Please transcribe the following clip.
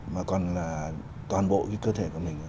mà còn là toàn bộ cái cơ thể của mình